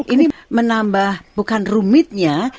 ini menambah bukan rumitnya